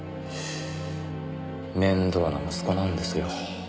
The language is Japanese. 面倒な息子なんですよ。